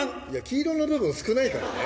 黄色の部分少ないからね。